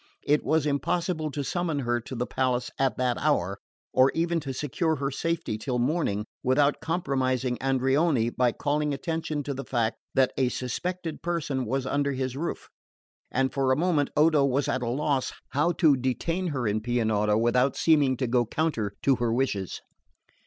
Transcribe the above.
It was impossible to summon her to the palace at that hour, or even to secure her safety till morning, without compromising Andreoni by calling attention to the fact that a suspected person was under his roof; and for a moment Odo was at a loss how to detain her in Pianura without seeming to go counter to her wishes.